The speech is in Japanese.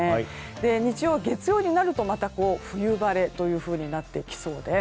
日曜、月曜になると冬晴れとなってきそうです。